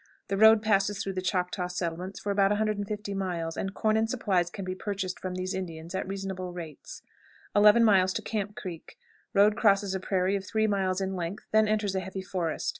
The road passes through the Choctaw settlements for about 150 miles, and corn and supplies can be purchased from these Indians at reasonable rates. 11. Camp Creek. Road crosses a prairie of three miles in length, then enters a heavy forest.